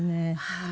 はい。